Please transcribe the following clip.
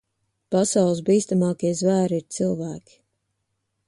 Pasaules bīstamākie zvēri ir cilvēki.